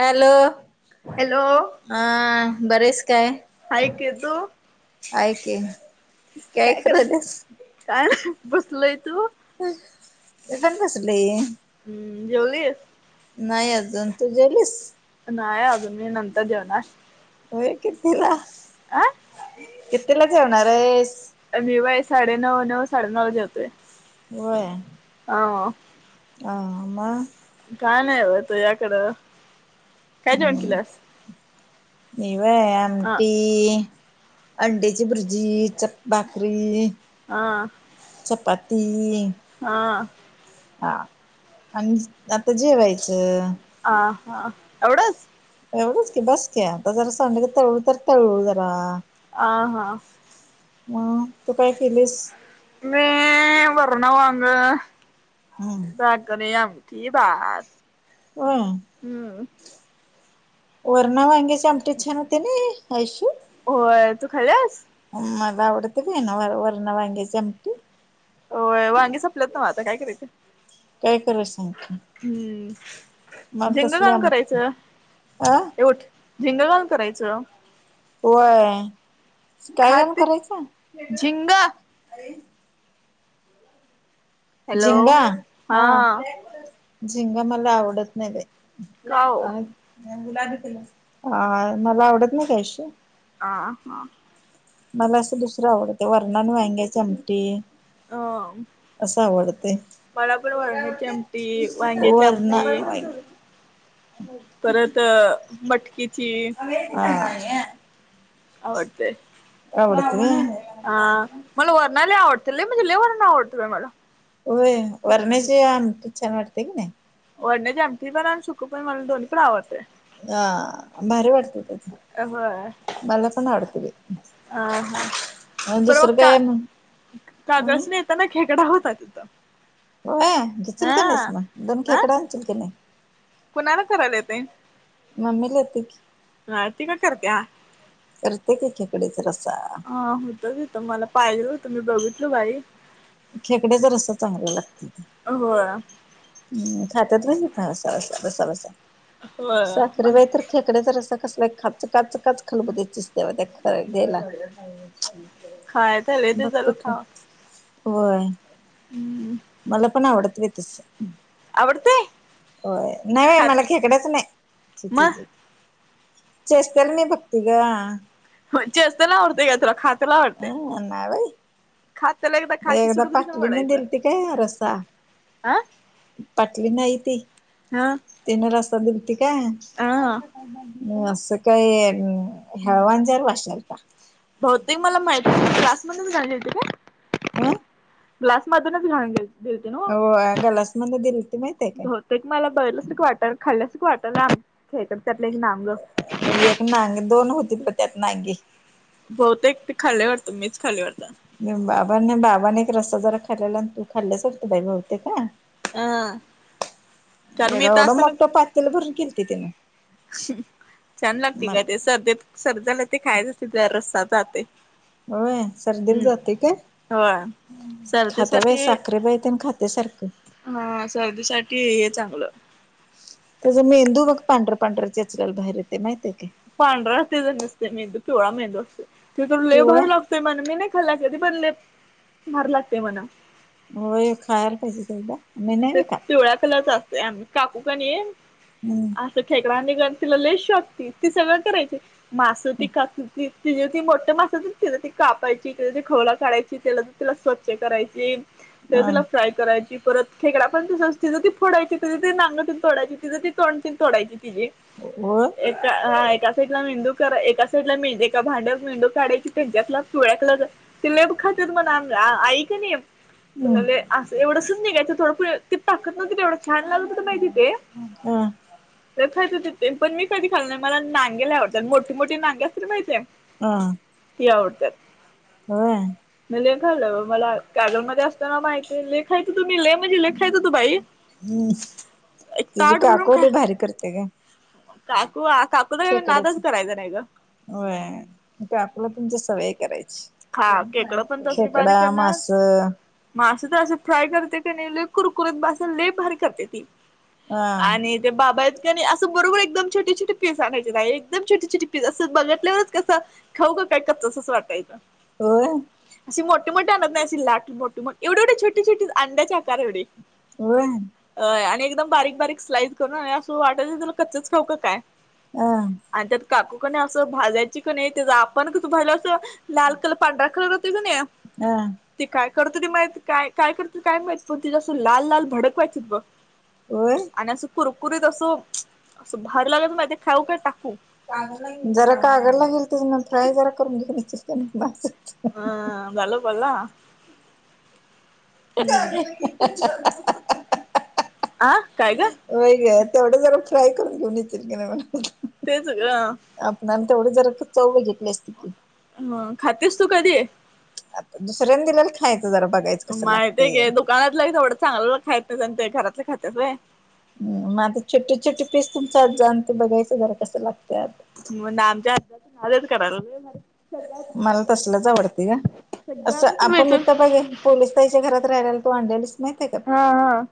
Hello... hello... हा... बरे एस काय? हाय केतू तू... हाय की... काय करायल्यास? काय नई... बसलोय... तू? मी पण बसलेय. हम्म.... जेवलीस? नाई अजून, तू जेवलीस? नाई अजून... मी नंतर जेवणार. होय कितीला.... आ कितीला जेवणार येस? आम्ही व्हय... साडेनऊ... नऊ, साडेनऊला जेवतोय. व्हय. हो. आ... मग कान ए व तुझ्याकडं... काय जेवण हम्म केल्यास? मी व्हय... अ आमटी अंडयाची भुर्जी... च... भाकरी हा चपती. हा हा आणि आता जेवायचं. आ हा एवढंच. एवढंच की बस क आता जर संड तळू तर तळू जरा. आ हा मग तू काय केलीस. व वरणा वाग हम बाग नाही आंगती बा ह हम्म वर्णव अे चमटेच छानतेने अयश्य हो तू खाल्यास. उ्वडत का ये ना व वरणा वांग्याची आमटी हो वांगी संपल्यात ना आता काय करायचे. काय करा सांगत. हम्म झेंग कााल आमटी करायचं अ एवट झिंगगालण करायचं. होय काय गाण खाते करायचं. झिंग हॅलो झिंगा हा. झिंंगा मला आवडत नाही का? गुलाबी किल मला आवडत नाही कशी आ हां मला असं दुसरं आवडतं वर्णन वांग्या चमटी अ बळा पण वरण्या चमटी वांगे चमट वरणा वांगी परत मटकीची आवडते. अवडती. अ मला वरणाला आवडतील नाही म्हणजे ले वर्ण आवडतंय मला. होय वरण्याची आमटी छान वाटते की नाही. वरने जेमट पण आणि सुक पण मला दोनही पण आवडते. ह भारी वाटते त्याथ अ हो. मला पण आडत दुसर काय? अं कागज नाही येताना खेकडा होता तिथं हो घेचील का नाहीस हा मग दोन आ ख्याकड आण काी नाही. कुणाला करायला येत. मम्मी ला येत की ती का करत्या करते का्याकडेच रसा हा होतच होत मला पाहिजे होतं मी बघितल बाई खेकडे जर असं चांगल्या लागतील. हो हम् खातात नाहीसा बसा बसा होय साखरी मला बाहे तर खेकड्याचा रसा कसला खच काच काच खलबुत चिसतेव त्या ख घ्यायला. खायचले ते बघ झालं पिठ खा होय हम्म मला पण आवडत आहे तस. आवडतय होय नाही खात मला खेकडच मग नाहीज. चेस्ल मी भक्तीग म चे असताला आवडतेय का तुला खाताला आवडतेय नाही बाई खात त्याला एकदा खाट सुडू कधश पाटलीने पडायचं दिलती हं पटली नाही ती हा तन रस्ता दिती का असं काही हळवाां जर वाशालता बहुतेक मला माहिती आहे क्लासमधून झाली होते का आं घालून गेल दिलती नव्ह हो गलास मध्ये दिल ते माहतीये काय एक मला बघलस क वाटर खाल्ल्यास क वाटर ना ख त्यातलं एक नाम एक नाग दोन होती प त्यात नांगी बहुतेक ते खाल्ली वाटतो मीच खाल्ली वारत बाबाांनी बाबाने एक रस्सा जरा खाल्ला तू खाल्ल्यासरते बाई भावते का ह एड ोड मक्ळ पाातल बर किलतीिते ना छान लागते का ते मला सर्देत सरजला ते खायच रस्सा जे होय सर्दीला जातेय का हो खाता बाय साखरे बायेत आणि खात्या सारखं हा सर्दीसाठीठी हे चांगलं त्याचा मेंदू मग पांढर पांढर्या चचल्याल बाहेरेते माहितय काय पांढराहते ज नसते मेंदू पिवळा मेंदू असते ते लेह पिवळा भरू लागतो ते म्हण मी नाही खाल्ला कधी बनले मार लागते म्हणा होय खायरप क ते पिवळ्या कलरच असत काकू का नाही हम्म असं ठेकड नि गण तिला लेस शकती ती सगळं करायची मास त का त त मोठ मास त कापायची त्या खवड काढायची त्याला तिला स्वच्छ करायची ते आ तिला फ्राय करायची परत खेकडाण त ति ती फोडाय ते ते नांगटून तोायची ति तणून तोायची तिजे हो एका हा एका साईडला मेंदू करा एका साइडला मे एका भांड्यात मेंदू काढायची त्याच्यातलाुळ्याकला तिला खातत म्ह आई का नाही तुला हम्म अस एवढच नाही काय थोड ते टाकत नव्हि तेवढं छान लागलं त माहिती ते आ तर खयंथे पण मी कधी खाल नाही मला नागेला आवडतात मोठठी मोठ नागे असत माहिय आ त आवडतात ह म लेखालं मला कागल मध्ये असताना माहिित आहे लेखायचं तुम्ही झ लखाय त तु बाई एक तुझ ताट काक भरून खा होते भारी करते का काकू काकू ख्याकडेच व आपला तुमच्या सवय खा केकडं करायची खेकडा मास मासं तर असे फ्राय करते की नाही ल कुरकुरीत बासून लेप भारी करते ती आणि बाबा आहेतत आणि असं बरोबर एकदम छोटी टपस आणायची नाही एकदम छोटी टिप्ीस असं बघितल्यावरच कसं खाऊ का काय का तसंच वाटायचं हो असे मोठे मोठे आणत नाहील लाट मोठे मोठ एवढेवेछोटे छोट अं्याच्या आकार एवे हो. अ आणि एकदम बारीक-बारीक स्लाईस करून आणि असं वाटायचं तुला कच्चच खाऊ की काय? हं. आणि त्यात काकू कने असं भाजायची कणे त्याच आपण कच भालं असं. लाल कलर पांढरा कलर होते कने हा. ती काय करत होती माहिती काय-काय करती काय माहीत पण ते जसं लाल-लाल भडक व्हायचं बघ. होय. आणि असं कुरकुरीत असं असं भारी लागायचं ना ते खाऊ काय टाकू. जरा कागळला गेलती मग फ्राय जरा करून [unintelligible] हम् बोला बोला. हम्म [unintelligible] आ काय ग? वै ग तेवढं जरा फ्राय करून घेऊन इच्ल की नाही. तेच गं. आपण आम तेवढी जर चव घेतली असती की ह खातेस तू कधी? आता दुसऱ्यांनी दिल्याला खायचं जरा बघायचं. कसं माहित आहे लागतंय घे दुकानातलं थवडं चांगलं खायत नाही ते घरातलं खातचय. हम मग आता छोटे छोटे पीस तुमच आ जाण ते बघायचं जरा कसं लागत. ह नाम ज त नाच क रोो म मला तसलच आवडते का? असं सगळ्यातच आपण इथ वेचून तर बघे पोलिस तईच्या घरात राहियला तू आणायलीच माहितय का? हा हा.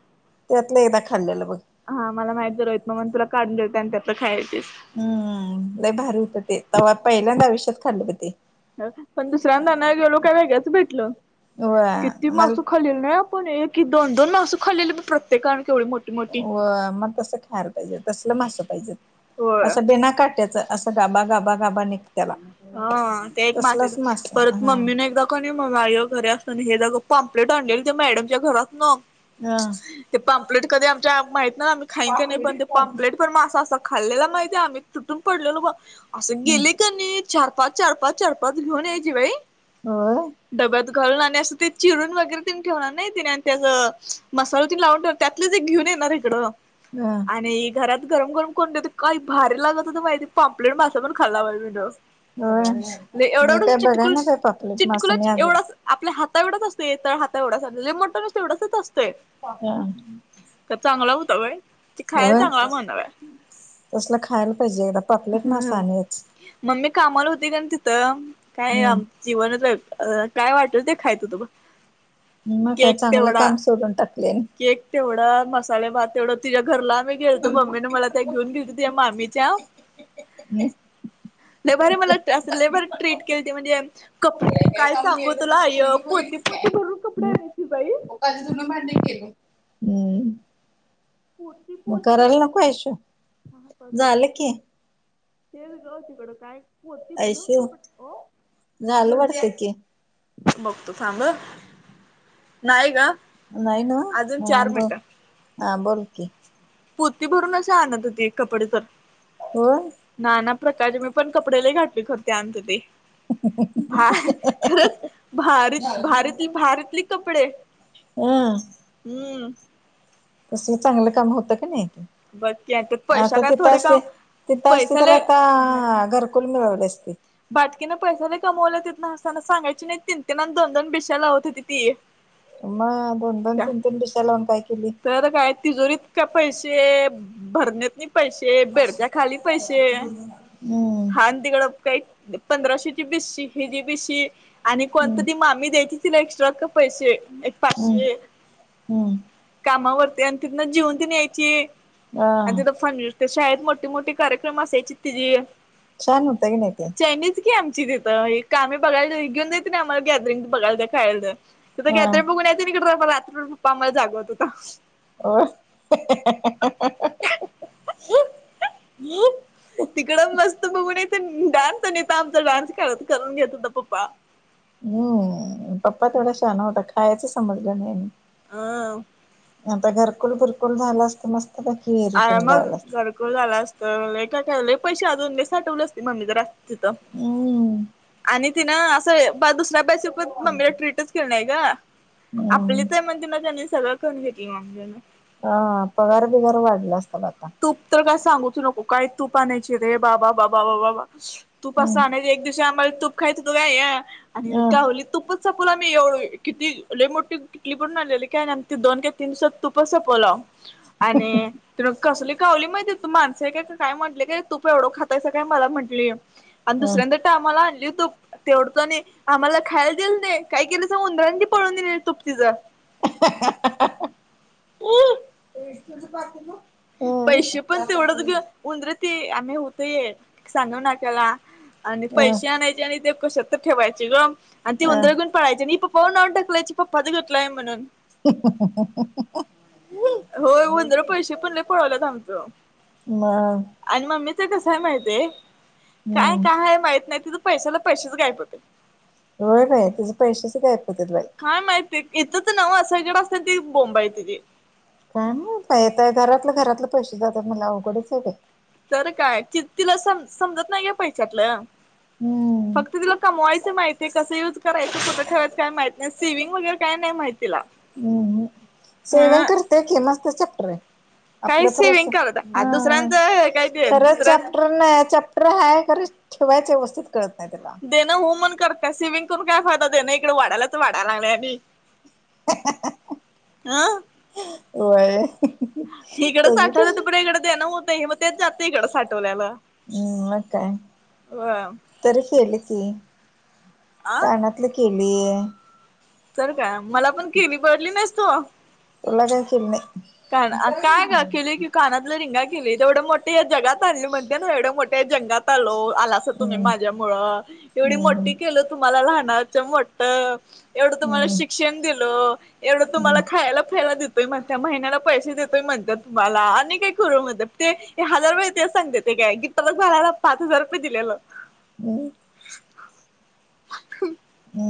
त्यातलं एकदा खांलेलं बघ. हा मला माहित जर हो मग मग तुला काढून द्यायचं आणि त्यातल खायायचे. हम्म लय भारी होतं ते तवा पहिल्यांदा आयुष्यात खाल्लं बघ ते पण दुसऱ्यांदा ना गेलो काय वेगळंच भेटल व्हय किती मला मासू खलील ना आपण एक क दन दोन मू खलील प्रत ते [unintelligible] व मग तस खायला पाहिजे तसल मासं पाहिजे होय असं बेना काट्याच असं गाबा गाबा गाबा निघतला. हा ते एक माश्याच परत मम्मीने एकदा कणे मग आय घरी असताना हे दा. पाम्प्लेट आणलेली ते मॅडमच्या घरात न हा. ते पांपलेट कधी आमच्या माहित ना आम्ही खाईन की नाही पण ते पांपलेट पण मासा असं खाल्लेला माहििते आम्ही तुटून पडलेल बा असं गेले का नाही? चार पाच चार पाच चार पाच घेऊन यायची बाई. होय डब्यात घालून आणि असं ते चिरून वगैरे त ठेवणार नाही तिने त्या मसाल त लावून ठेव. त्यातलंच एक घेऊन येणार इकडं. ह. आणि घरात गरम-गरम कोण देत काही भारी लागत होत. माहिती पाांपलेट मासा पण खाल्लावा. होय एवढा मी एवढा काय बघाय चिटकुल ना काय पापलेट मासा मी चिटकुलाच आज एवढाच. आपल्या हाता एवढाच असते तळ हाता एवढाचे लय मोठा नसते एवढाचाच असते. तर चांगला होता बाय ते खायला होय चांगला म्हणाव. तसलं खायला पाहिजे एकदा पापलेट मासा हम्म आणूयाच. मम्मी कामाला होती का तिथं काय हम्म जीवनत काय वाटल ते खायच होत ब म काय चांगलं काम सोडून टाकले. केक तेवढा मसाले भात तेवढं तिज्या घरला आम्ही गेलतो मम्मीने मला त्या घेऊन गेली तिज्या मामीच्या हम्. लय भारी मला लय भारी अस ट्रीट केली त म्हणजे कप काय सांगू तुला आय पोती पोती भरुन कपडे आणायची बाई. अस धून भांडी केलं हम् पोती मग पोती करायला भरून नको श [unintelligible] घरात झालं की [unintelligible] भरून ऐशव कपडे ओ झालं वाटत की बघतो थांब नाही ना नाही ना ब हा बोल की पोती भरून असे आणत होते कपडे तर हा ना ना प्रकारची मी पण कपडे लय घातली खर ते आणत होते. भ खरंच भारी भारीतली भारीतली कपडे हम हम्म कसलं चांगलं काम होतं की नाही. बघ की पैसा आता काय तिथं थोडे का असते तिथं असते पैसा तर लय आता घर [unintelligible] मिळवले असते. बाटकीने पैसा लय कमवला त नाताना सांगायची नाही तीन-तीन अन् दोन-दोन बीश्या लावत होती ती म दोन-दोन तीन-तीन बीश्या लावून काय केली? तर काय तिजोरी इतक पैसे भरण्यात पैसे बेडच्या खाली पैसे हम्म हा तिकड पंधराशेची बी शी ही जी बी शी आणि कोणती हम्म ती मामी द्यायची तिला एक्स्ट्राच पैसे हम्म पाचशे हम्म कामावरती आणि तितन जेवून त न यायायची. हा आणि तथ फन [unintelligible] त्या शाळेत मोठी मोठी कार्यक्रम असायची तिजी छान होत की नाही. ते चैनीच की आमची तिथ आम्ही बघायला घेन देते ना [inaudible] आम्हाला गॅदरिंग बघायला खायलं तिथ हा गॅदरिंग बघून यायचं आणि तिकड रात्रीभर बापा ला जागवत होता. हो हम्म तिकड मस्त बघूनेत डान्स आमचा डान्स करून घेत होता पप्पा हम्म पप्पा थोडा शान होता. खायचं समजलं नाही. हा आता घरकुल भुरकुल झाल असत मस्तपैकी रुटीन लागलं असत. झाल असतं लय काय काय लय पैसे अजून मी साठवले असते मम्मी जरा तिथ हम्म आणि तिनं असं दुसऱ्या बस [unintelligible] प मम्मीला ट्रीटच नाही ग हम्म आपलीचय म्हणते ना त्यांनी सगळं ठेऊन घेतलं म्हजे अ पगार बिगार वाढला असत माझा. तूप तर काय सांगूच नको काही तूप आणायची रे बा बा बा बा बाबा तूप असं हम्. आणायच एक दिवशी आम्हाला तूप खायच होत काय आय आणि अ कावलीच. तुपच संपवलं आम्ही एवढ किती लय मोठीे किटली भरुन आणलेले काय दोन ते तीन दिवसात तुपच संपवलं आव आणि कसली कावली माहिती तू माणस आहे काय काय म्हटले काय तूप एवढं खातायसा काय मला म्हटली. आणि ह अ दुसऱ्यांदा आम्हाला आणली तूप तेवढच आणि आम्हाला खायला देईल नाही काय केलं सांगू उंदरांची पळून नेलं तुप तीच ह तुझ पासे [unintelligible] ना पैसे पण तेवढंचे ग उंदरते आम्ही होतय सांगू नाकाला आणि पैसे आणायचे आणि ते कशात तर ठेवायचे ग आणि ती अ उंदर घेऊन पळायची, आणि मी पप्पा वर नाव ढकलायची पप्पांन घेतलाय म्हणून [unintelligible] होय, उंदर पैसे पण लय पळवायलेत आमचं. मग आणि मम्मीच कसं आहे माहित ये काय हम्म काय माहित नाही, तिज पैसे आल की पैसेच गायब होत्यात. व्हय, तिचं पैसेच गायब होत्यात बाई! काय माहिती इथंचं नव सगळीकडं असलं ती बोंब हाय तिजी. काय माहित बाई आता ह घरातलं घरातले पैसे जात्यात म्हणल्यावर अवघडचं हाय, बाई! तर काय, ति- तिला सम- समजत नाही गं पैशातलं. हम्म फक्त तिला कमवायचं माहितयं कसं युज करायच कुठं ठेवायचं काय माहितय नाही सिविंग वगैरे काय नाही माहित तिला. हम्मम सेव्हिंग ह करत्या की, मस्त चॅप्टर हाय. काही आपलं तरच सेविंग अस करत आ दुसऱ्यांचं काय ते खरंच दुसऱ्यां चॅप्टर नाही, चॅप्टर अ हाय कर ठेवायचे व्यवस्थित कळत नाही त्याला देणं हु म्हणून करत्या सेव्हींग वरून, काय फायदा देणं इकडे वाढालाच वाढायलागलय आणि [unintelligible] अहा व्हयं. [unintelligible] इकडं साठवलं तोपर्यंत इकड देणं होतयं, मग ते जातयं इकडं साठवल्याल. हम्म! म काय? [unintelligible] तरी केली की. आ कानातलं केलीय. तर काय मला पण केली, बघतली नाहीस तु. तुला, काय केली नाई. कान काय गं केलूय की कानातलं रिंगा [unintelligible] तेवढ मोठे जगात आली म्हणत्या ना एवढ्या मोठ्या जगात आलो, आलासा तुम्ही हम्म माझ माझ्या मुळं एवढी मोठी हम्म केलं तुम्हाला लहानाचं मोठं एवढं तुम्हाला हम्म शिक्षण दिलो, एवढं तुम्हाला हम्म खायला पियला देतोय म्हणत्या माहि महिण्याला पैसे देतोय म्हणत्या, तुम्हाला आणि काय करू म्हणत्या ते हजार वेळा तेच सांगते ते काय [unintelligible] पाच हजार रुपये दिलेलो. अहम.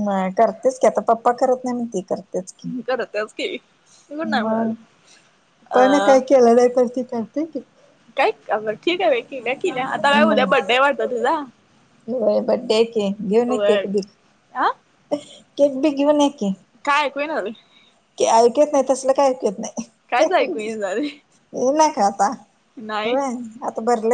म करतेस की, आता पप्पा करत नाही म्हणून ती करत्या. ह करत्याच कि. मग पपांनी अ काय केला नाही, तर ती करत्या कि करत की. काय ठीक आहे बाई केल्या केल्या आता काय उद्या मग बड्डे आहे वाटत तिझा. होय, बड्डे कि घेऊन, ये होय केक बीक. आ. केक बिक घेवुन येक. काय ऐकू येईना झलयं.? ते ऐकू येत नाही तसलं काय ऐकु येत कायच ऐकू नाहीशी, येईना झालय, ऊन हाय कि आता. नाही. होय, आता भरले.